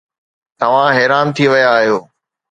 توهان حيران ٿي ويا آهيو.